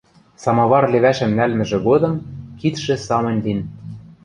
Самовар левӓшӹм нӓлмӹжӹ годым кидшӹ самынь лин